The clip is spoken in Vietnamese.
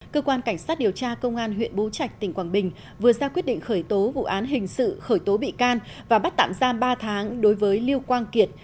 cơ quan cảnh sát điều tra công an huyện bố trạch tỉnh quảng bình vừa ra quyết định khởi tố vụ án hình sự khởi tố bị can và bắt tạm giam ba tháng đối với lưu quang kiệt